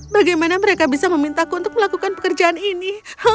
bagaimana mereka bisa memintaku untuk melakukan pekerjaan ini